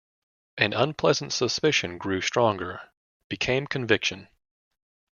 An unpleasant suspicion grew stronger; became conviction.